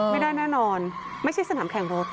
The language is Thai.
ไม่ได้แน่นอนไม่ใช่สนามแข่งรถ